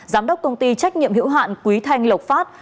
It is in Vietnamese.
giám đốc công ty trách nhiệm hữu hạn quý thanh lộc phát